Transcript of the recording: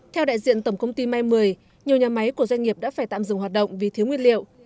theo đại diện tổng công ty may một mươi nhiều nhà máy của doanh nghiệp đã phải tạm dừng hoạt động vì thiếu nguyên liệu